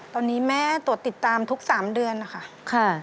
ตอนนี้แม่ตรวจติดตามทุก๓เดือนนะคะ